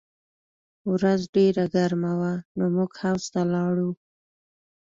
ورځ ډېره ګرمه وه نو موږ حوض ته لاړو